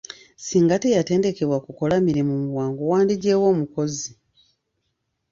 Singa teyatendekebwa kukola mirimu mu bwangu wandiggye wa omukozi ?